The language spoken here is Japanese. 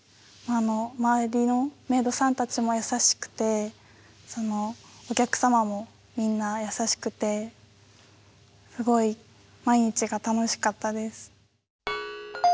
周りのメイドさんたちも優しくてお客様もみんな優しくてすごい毎日が楽しかったです。